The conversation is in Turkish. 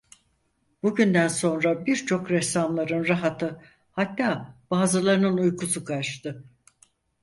Bu günden sonra birçok ressamların rahatı, hatta bazılarının uykusu kaçtı.